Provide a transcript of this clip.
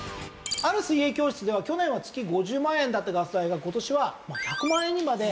ある水泳教室では去年は月５０万円だったガス代が今年は１００万円にまで。